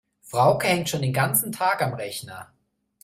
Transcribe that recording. Frauke hängt schon den ganzen Tag am Rechner.